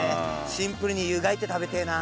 シンプルに湯がいて食べてえな。